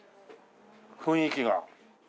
雰囲気が。